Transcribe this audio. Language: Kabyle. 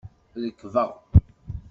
Rekbeɣ.